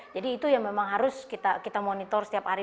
jadi itu yang memang harus kita monitor setiap hari